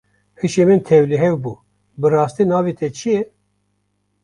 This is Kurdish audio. Hişê min tevlihev bû, bi rastî navê te çi ye?